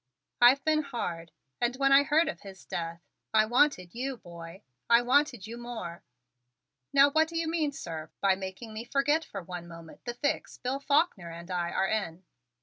I've been hard and when I heard of his death I wanted you, boy, I wanted you more Now what do you mean, sir, by making me forget for one moment the fix Bill Faulkner and I are in?"